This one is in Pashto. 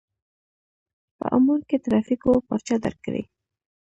په عمان کې ترافيکو پارچه درکړې.